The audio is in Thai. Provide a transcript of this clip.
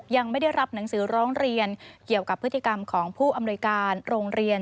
ยังไม่ได้รับหนังสือร้องเรียนเกี่ยวกับพฤติกรรมของผู้อำนวยการโรงเรียน